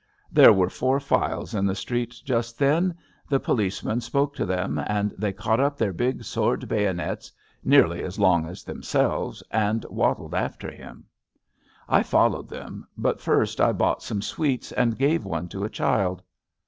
There were four files in the street jnst then. The policeman sjJoke to them, and they caught up their big sword bayonets, nearly as long as themselves, and waddled after him. I followed them, but first I bought some sweets and gave one to a child.